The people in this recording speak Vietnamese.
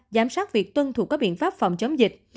giám sát việc tuân thủ các biện pháp phòng chống dịch